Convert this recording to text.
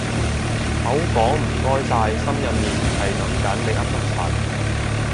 口講唔該晒心入面係諗緊你噏乜柒